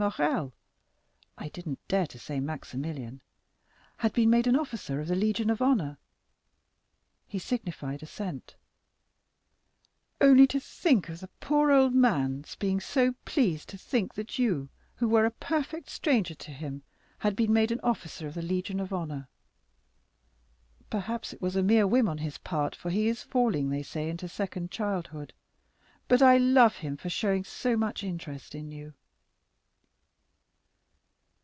Morrel (I didn't dare to say Maximilian) had been made an officer of the Legion of Honor?' He signified assent; only think of the poor old man's being so pleased to think that you, who were a perfect stranger to him, had been made an officer of the Legion of Honor! Perhaps it was a mere whim on his part, for he is falling, they say, into second childhood, but I love him for showing so much interest in you."